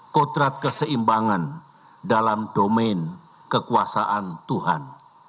kotrat keseimbangan dalam domain kekuasaan tuhan